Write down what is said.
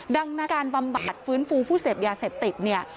ดังนั้นการบำบัดฟื้นฟูผู้เสพยาเสพติดเนี่ย